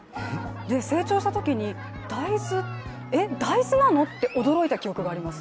成長したときに、大豆？えっ、大豆なの？って驚いた気がします。